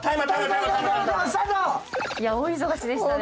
いや大忙しでしたね。